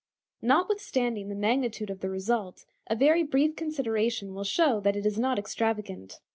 Notwithstanding the magnitude of the result, a very brief consideration will show that it is not extravagant.